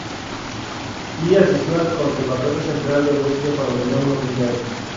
Li asistió al Conservatorio Central de Música cuando tenía unos veinte años.